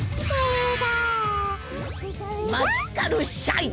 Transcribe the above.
マジカルシャイン！